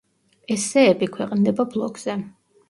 ესსეები ქვეყნდება ბლოგზე.